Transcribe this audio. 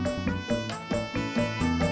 ya baik apaan ucad